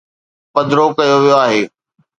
پڌرو ڪيو ويو آهي.